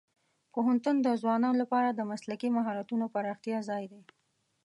پوهنتون د ځوانانو لپاره د مسلکي مهارتونو پراختیا ځای دی.